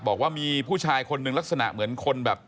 บอกว่ามีผู้ชายคนหนึ่งลักษณะเหมือนคนแบบ